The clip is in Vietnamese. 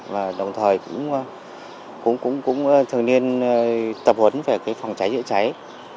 và đồng thời cũng thường nên tập huấn về phòng cháy chữa cháy